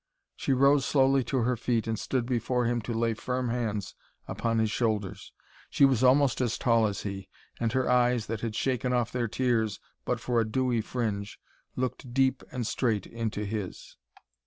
She rose slowly to her feet and stood before him to lay firm hands upon his shoulders. She was almost as tall as he, and her eyes, that had shaken off their tears but for a dewy fringe, looked deep and straight into his.